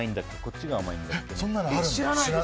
そんなのあるんですか。